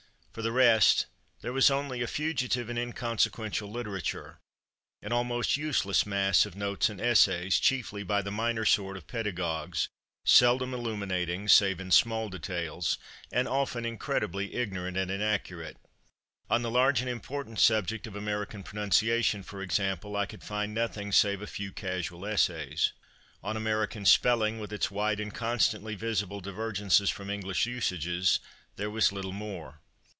For the rest, there was only a fugitive and inconsequential literature an almost useless mass of notes and essays, chiefly by the minor sort of pedagogues, seldom illuminating, save in small details, and often incredibly ignorant and inaccurate. On the large and important subject of American pronunciation, for example, I could find nothing save a few casual essays. On American spelling, with its wide and constantly visible divergences from English usages, there was little more.